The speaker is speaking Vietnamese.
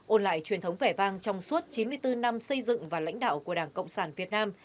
ôn lại truyền thống vẻ vang trong suốt chín mươi bốn năm xây dựng và lãnh đạo của đảng cộng sản việt nam